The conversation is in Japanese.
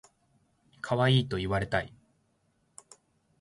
かわいいと言われたい